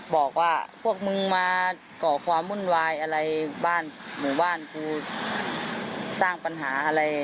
บอกว่าพวกมึงมาก่อความวุ่นวายอะไรบ้านหมู่บ้านกูสร้างปัญหาอะไร